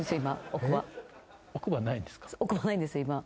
奥歯ないんです今。